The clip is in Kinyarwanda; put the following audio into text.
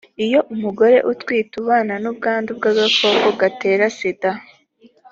iyo umugore utwite ubana n ubwandu bw agakoko gatera sida